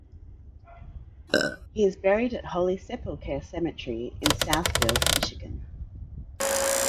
He is buried at Holy Sepulchre Cemetery in Southfield, Michigan.